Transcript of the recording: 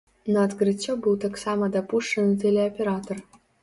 На адкрыццё быў таксама дапушчаны тэлеаператар.